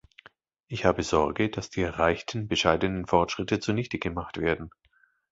Ich habe Sorge, dass die erreichten bescheidenen Fortschritte zunichte gemacht werden.